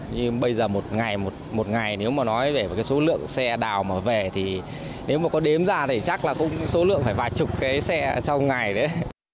nhưng bây giờ một ngày nếu mà nói về số lượng xe đào mà về thì nếu mà có đếm ra thì chắc là cũng số lượng phải vài chục cái xe trong ngày đấy